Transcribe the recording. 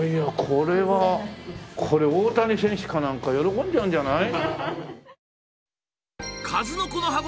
これ大谷選手かなんか喜んじゃうんじゃない？